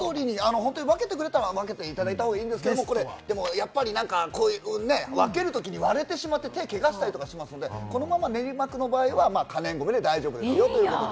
おっしゃるとおり、分けてくれたら分けていただいた方がいいんですけど、でもやっぱり分ける時に割れてしまって、手をけがをしたりしますので、このまま練馬区の場合は可燃ごみで大丈夫です。